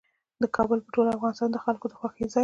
کابل په ټول افغانستان کې د خلکو د خوښې ځای دی.